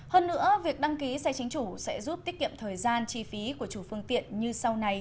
hơn nữa việc đăng ký xe chính chủ sẽ giúp tiết kiệm thời gian chi phí của chủ phương tiện như sau này